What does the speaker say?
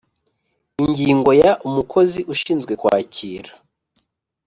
Ingingo ya umukozi ushinzwe kwakira